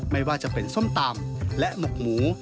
ไม่ว่าจะเป็นส้มตำและหมกหมู